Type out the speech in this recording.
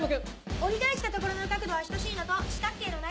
折り返した所の角度は等しいのと四角形の内角の。